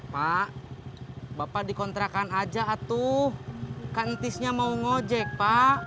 pak bapak dikontrakan aja atuh kantisnya mau ngojek pak